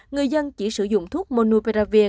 người dân chỉ sử dụng thuốc monopiravir